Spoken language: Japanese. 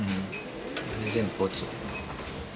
全部ボツ。